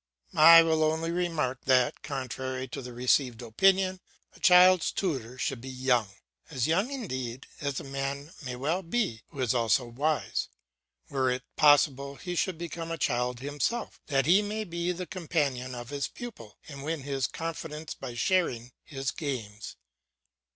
I will only remark that, contrary to the received opinion, a child's tutor should be young, as young indeed as a man may well be who is also wise. Were it possible, he should become a child himself, that he may be the companion of his pupil and win his confidence by sharing his games.